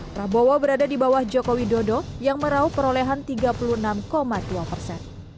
prabowo berada di bawah joko widodo yang merauh perolehan tiga puluh enam dua persen